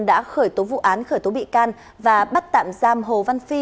đã khởi tố vụ án khởi tố bị can và bắt tạm giam hồ văn phi